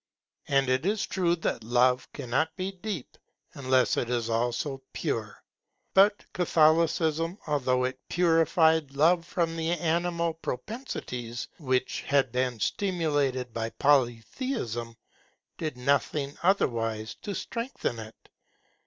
And it is true that love cannot be deep unless it is also pure. But Catholicism, although it purified love from the animal propensities which had been stimulated by Polytheism, did nothing otherwise to strengthen it.